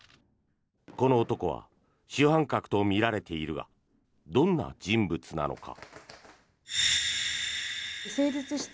この男は主犯格とみられているがどんな人物なのか。